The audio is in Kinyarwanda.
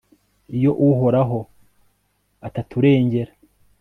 iyo uhoraho ataturengera